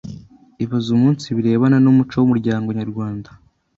ibaza umunsi birebana n’umuco w’umuryango nyarwanda